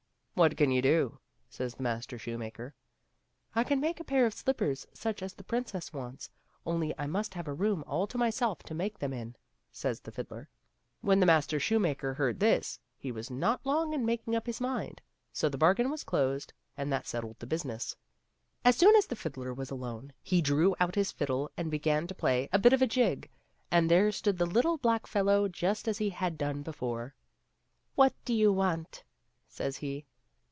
" What can you do ?" says the master shoemaker. " I can make a pair of slippers such as the princess wants, only I must have a room all to myself to make them in," says the fiddler. When the master shoemaker heard this, he was not long in making up h\% mind, so the bargain was closed and that settled the business. ^^e jf idbler aai Uft mU)AMktmnmbm , As soon as the fiddler was alone he drew out his fiddle and began to play a bit of a jig, and there stood the little black fellow, just as he had done before. " What do you want ?'* says he.